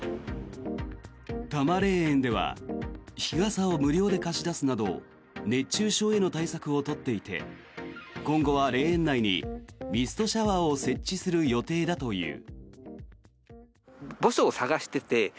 多磨霊園では日傘を無料で貸し出すなど熱中症への対策を取っていて今後は霊園内にミストシャワーを設置する予定だという。